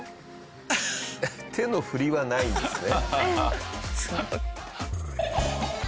手の振りはないんですね。